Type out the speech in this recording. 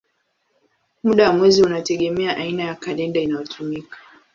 Muda wa mwezi unategemea aina ya kalenda inayotumika.